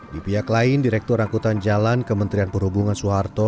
di pihak lain direktur angkutan jalan kementerian perhubungan soeharto